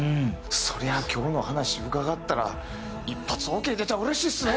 そりゃ今日の話伺ったら一発オーケー出たらうれしいですね。